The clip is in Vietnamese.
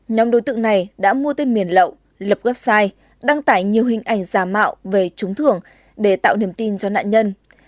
nhóm đối tượng này đã mua tên miền lậu lập website đăng tải nhiều hình ảnh giả mạo về trúng thưởng để tạo niềm tin cho nạn nhân